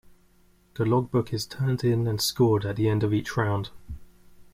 The logbook is turned in and scored at the end of each round.